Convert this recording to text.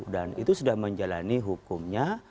dan itu sudah menjalani hukumnya